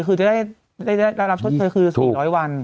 คือจะได้รับชดเชยคือ๔๐๐วัน